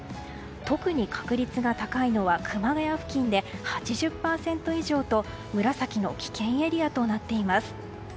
特に確率が高いのは熊谷付近で８０％以上と紫の危険エリアとなっています。